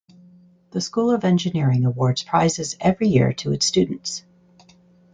The School of Engineering awards prizes every year to its students.